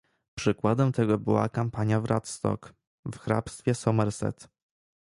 Przykładem tego była kampania w Radstock w hrabstwie Somerset